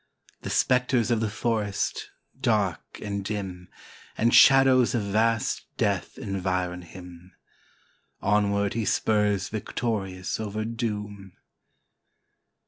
The spectres of the forest, dark and dim, And shadows of vast death environ him Onward he spurs victorious over doom.